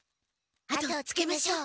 後をつけましょう。